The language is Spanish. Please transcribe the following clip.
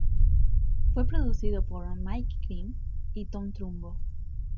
Fue producido por Mike Clint y Thom Trumbo.